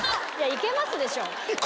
いけますでしょ。